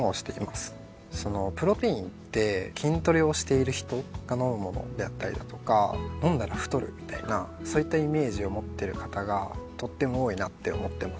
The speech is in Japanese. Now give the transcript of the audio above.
プロテインって筋トレをしている人が飲む物であったりだとか飲んだら太るみたいなそういったイメージを持ってる方がとっても多いなって思ってます。